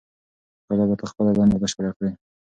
کله به ته خپله دنده بشپړه کړې؟